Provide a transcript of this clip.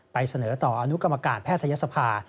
เสนอต่ออนุกรรมการแพทยศภา